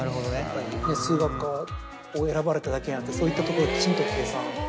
数学科を選ばれただけあってそういったところきちんと計算されて。